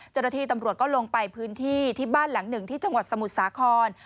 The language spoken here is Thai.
เจ้าหน้าที่ตำรวจก็ลงไปพื้นที่ที่บ้านหลังหนึ่งที่จังหวัดสมุทรสาคร